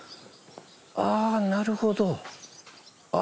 あぁなるほど。